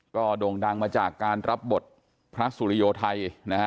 ก็โด่งดังมาจากการรับบทพระสุริโยไทยนะฮะ